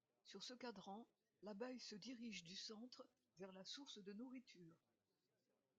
Sur ce cadran, l’abeille se dirige du centre vers la source de nourriture.